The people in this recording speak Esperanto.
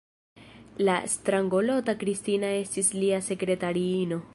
La strangolota Kristina estis lia sekretariino.